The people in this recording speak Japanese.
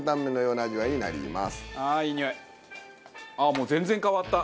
もう全然変わった。